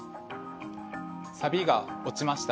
サビが落ちました。